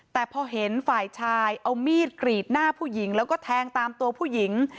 แต่พอเห็นฝ่ายชายเอามีดกรีดหน้าผู้หญิงแล้วก็แทงตามตัวผู้หญิง